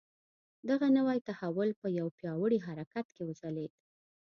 دغه نوی تحول په یوه پیاوړي حرکت کې وځلېد.